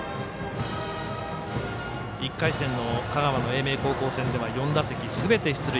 １回戦の香川の英明高校戦では４打席すべて出塁。